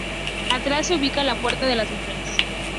Atrás se ubica la puerta de las mujeres.